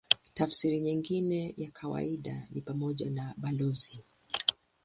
Tafsiri nyingine ya kawaida ni pamoja na balozi.